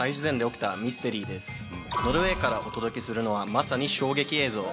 ノルウェーからお届けするのはまさに衝撃映像。